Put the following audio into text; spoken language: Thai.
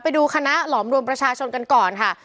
ไปดูคณะหลอมรวมประชาชนกันก่อนค่ะ